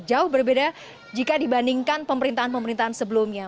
jauh berbeda jika dibandingkan pemerintahan pemerintahan sebelumnya